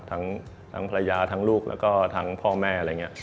ทั้งภรรยาทั้งลูกแล้วก็ทั้งพ่อแม่อะไรอย่างนี้